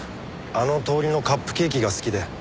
あの通りのカップケーキが好きで。